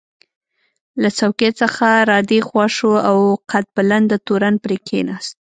له څوکۍ څخه را دې خوا شو او قد بلنده تورن پرې کېناست.